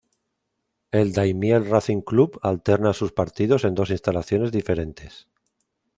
El Daimiel Racing Club alterna sus partidos en dos instalaciones diferentes.